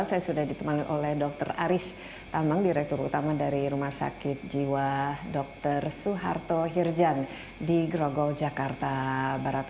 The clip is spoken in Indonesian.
saya sudah ditemani oleh dr aris tambang direktur utama dari rumah sakit jiwa dr suharto hirjan di grogol jakarta barat